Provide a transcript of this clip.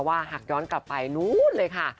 หากย้อนกลับไปนู้นเลยค่ะ